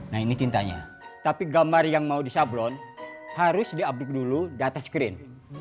nah ini tintanya tapi gambar yang mau disablon harus diupdate dulu data screen